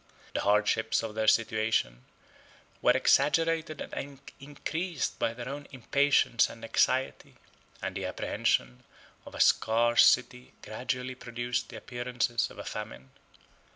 The hardships of their situation were exaggerated and increased by their own impatience and anxiety; and the apprehension of a scarcity gradually produced the appearances of a famine.